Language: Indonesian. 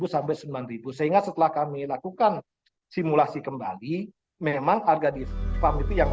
sampai sembilan ribu sehingga setelah kami lakukan simulasi kembali memang harga di farm itu yang